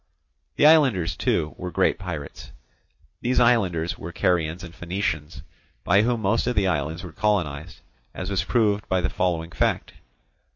The islanders, too, were great pirates. These islanders were Carians and Phoenicians, by whom most of the islands were colonized, as was proved by the following fact.